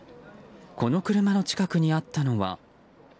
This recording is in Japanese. この車の近くにあったのは。